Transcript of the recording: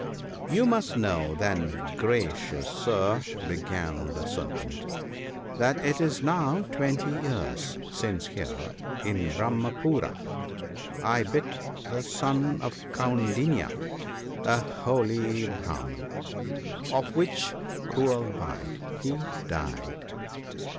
"You must know, then, gracious Sir," began the Serpent, "that it is now twenty years since here, in Brahmapoora, I bit the son of Kaundinya, a holy Brah 136 THE BOOK OF GOOD COUNSELS. man ; of which cruel bite he died.